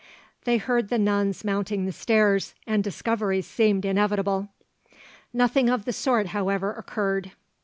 They heard the nuns mounting the stairs, and discovery seemed inevitable. Nothing of the sort, however, occurred.